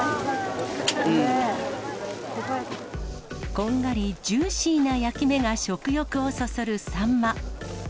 こんがりジューシーな焼き目が食欲をそそるサンマ。